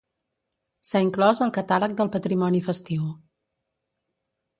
S'ha inclòs al Catàleg del Patrimoni Festiu.